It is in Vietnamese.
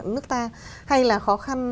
nước ta hay là khó khăn